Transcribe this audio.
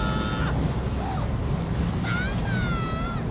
あっバンバン！